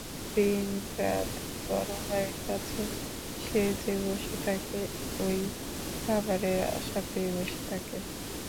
দিন-রাত বড় ভাইয়ের কাছে সে যে বসে থাকে, ঐ খাবারের আশাতেই বসে থাকে।